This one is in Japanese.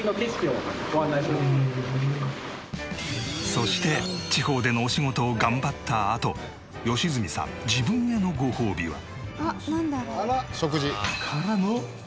そして地方でのお仕事を頑張ったあと良純さん自分へのごほうびは？からの。